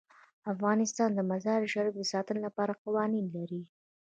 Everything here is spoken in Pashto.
افغانستان د مزارشریف د ساتنې لپاره قوانین لري.